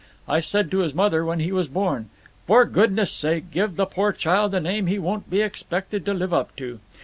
I said to his mother when he was born. 'For goodness' sake give the poor child a name he won't be expected to live up to.